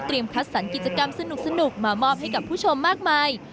คัดสรรกิจกรรมสนุกมามอบให้กับผู้ชมมากมาย